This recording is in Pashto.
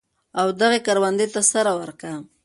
ودغه کروندې ته سره ورکه.